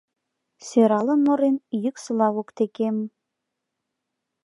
«Сӧралын мурен, йӱксыла воктекем...»